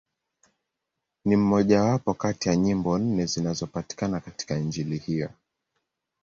Ni mmojawapo kati ya nyimbo nne zinazopatikana katika Injili hiyo.